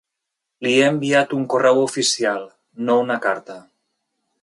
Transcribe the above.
Li he enviat un correu oficial, no una carta.